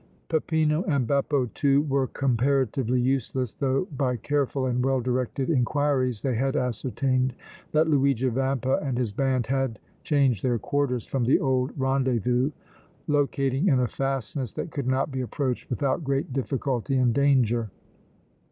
Peppino and Beppo, too, were comparatively useless, though by careful and well directed inquiries they had ascertained that Luigi Vampa and his band had changed their quarters from the old rendezvous, locating in a fastness that could not be approached without great difficulty and danger.